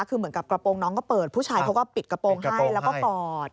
คือเหมือนกับกระโปรงน้องก็เปิดผู้ชายเขาก็ปิดกระโปรงให้แล้วก็กอด